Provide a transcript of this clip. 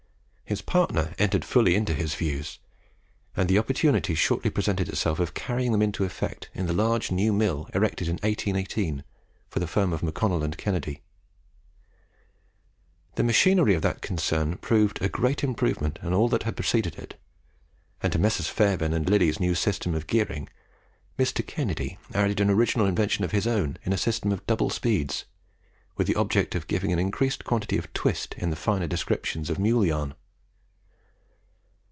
His partner entered fully into his views; and the opportunity shortly presented itself of carrying them into effect in the large new mill erected in 1818, for the firm of MacConnel and Kennedy. The machinery of that concern proved a great improvement on all that had preceded it; and, to Messrs. Fairbairn and Lillie's new system of gearing Mr. Kennedy added an original invention of his own in a system of double speeds, with the object of giving an increased quantity of twist in the finer descriptions of mule yarn.